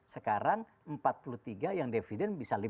sekarang empat puluh tiga yang dividend bisa lima puluh